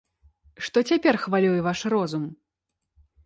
Што цяпер хвалюе ваш розум?